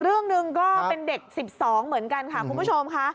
เรื่องหนึ่งก็เป็นเด็ก๑๒เหมือนกันค่ะคุณผู้ชมค่ะ